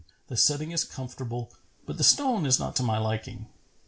The setting is conformable but the stone is not to my liking."